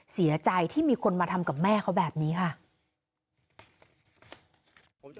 เสียใจที่มีคนมาทำกับแม่เขาแบบนี้ค่ะ